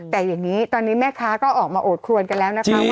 แต่อย่างนี้ตอนนี้แม่ค้าก็ออกมาโอดครวนกันแล้วนะคะ